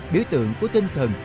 biểu tượng của tinh thần